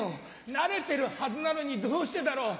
慣れてるはずなのにどうしてだろう？